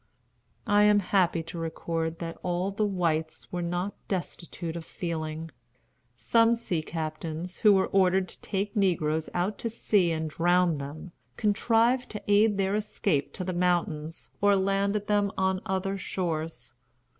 I am happy to record that all the whites were not destitute of feeling. Some sea captains, who were ordered to take negroes out to sea and drown them, contrived to aid their escape to the mountains, or landed them on other shores.